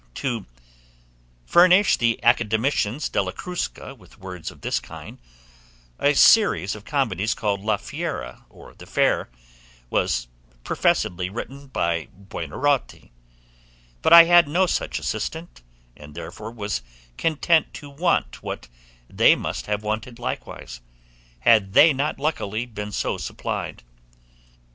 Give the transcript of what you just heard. To furnish the Academicians della Crusca with words of this kind, a series of comedies called La Fiera, or The Fair, was professedly written by Buonaroti; but I had no such assistant, and therefore was content to want what they must have wanted likewise, had they not luckily been so supplied.